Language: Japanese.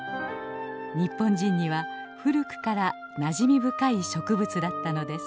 日本人には古くからなじみ深い植物だったのです。